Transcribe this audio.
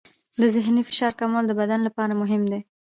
د ذهني فشار کمول د بدن لپاره مهم دي.